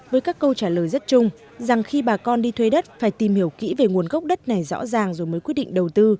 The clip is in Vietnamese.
với các câu trả lời rất chung rằng khi bà con đi thuê đất phải tìm hiểu kỹ về nguồn gốc đất này rõ ràng rồi mới quyết định đầu tư